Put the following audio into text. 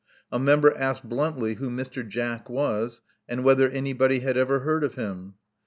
A member asked bluntly who Mr. Jack was, and whether anybody had ever heard of him.